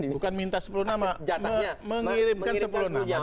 bukan minta sepuluh nama mengirimkan sepuluh nama